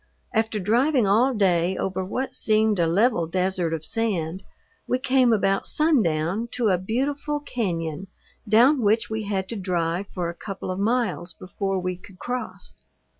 After driving all day over what seemed a level desert of sand, we came about sundown to a beautiful cañon, down which we had to drive for a couple of miles before we could cross.